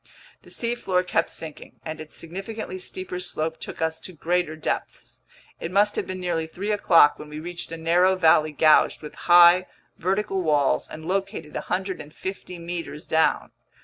The seafloor kept sinking, and its significantly steeper slope took us to greater depths. It must have been nearly three o'clock when we reached a narrow valley gouged between high, vertical walls and located 150 meters down.